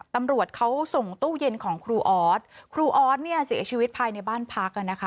ตำรวจเขาส่งตู้เย็นของครูออสครูออสเนี่ยเสียชีวิตภายในบ้านพักอ่ะนะคะ